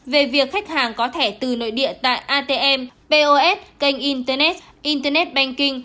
về việc khách hàng có thẻ từ nội địa tại atm pos kênh internet internet banking